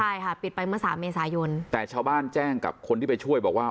ใช่ค่ะปิดไปเมื่อสามเมษายนแต่ชาวบ้านแจ้งกับคนที่ไปช่วยบอกว่า